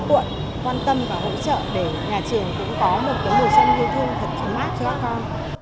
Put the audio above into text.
quan tâm và hỗ trợ để nhà trường cũng có một cái hồi sinh yêu thương thật chán mát cho các con